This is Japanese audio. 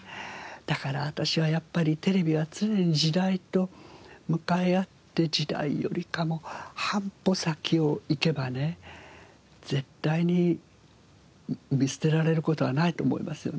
だから私はやっぱりテレビは常に時代と向かい合って時代よりかも半歩先を行けばね絶対に見捨てられる事はないと思いますよね。